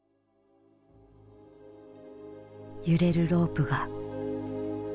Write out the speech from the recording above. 揺れるロープが。